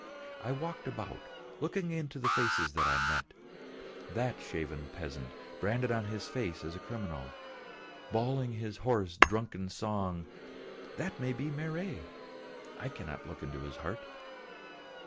I walked about, looking into the faces that I met. That shaven peasant, branded on his face as a criminal, bawling his hoarse, drunken song, may be that very Marey; I cannot look into his heart.